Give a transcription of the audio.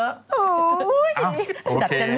อ่ะโอเค